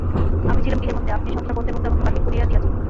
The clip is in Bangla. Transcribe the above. আমি ছিলাম গৃহের মধ্যে, আপনি সহসা পথের মধ্যে আমাকে বাহির করিয়া দিয়াছেন।